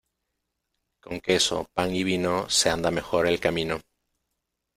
Con queso, pan y vino, se anda mejor el camino.